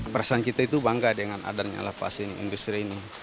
perasaan kita itu bangga dengan adanya lapas ini industri ini